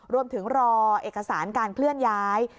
รวมถึงรอเอกสารการเคลื่อนย้าย